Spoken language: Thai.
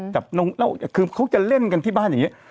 จับนักออกแปลงคือเขาจะเล่นกันที่บ้านอย่างนี้